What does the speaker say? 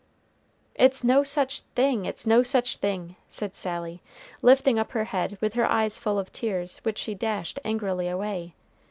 "It's no such thing! it's no such thing!" said Sally, lifting up her head, with her eyes full of tears, which she dashed angrily away.